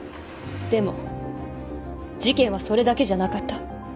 でも事件はそれだけじゃなかった。